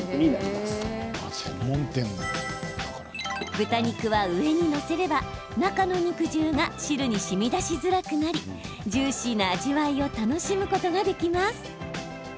豚肉は上に載せれば、中の肉汁が汁にしみ出しづらくなりジューシーな味わいを楽しむことができます。